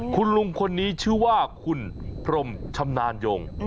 คุณลุงคนนี้ชื่อว่าคุณพรมชำนาญยง